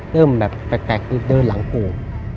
เริ่มแบบแปลกมีเดินหลังโก่ง